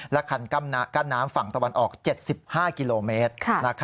และคันกั้นน้ำฝั่งตะวันออก๗๕กิโลเมตร